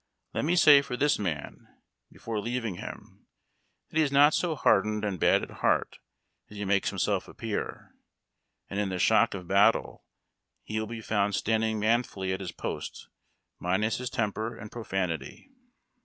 Let me say for this man, before leaving him, that he is not so hardened and bad at heart as he makes himself appear ; and in the shock of battle he will be found standing manfully at his post minus his temper and profanity.